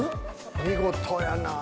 見事やなぁ。